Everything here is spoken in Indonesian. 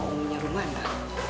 yang punya rumana